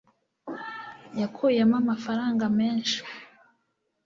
yakuyemo amafaranga menshi